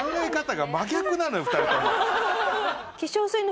２人とも。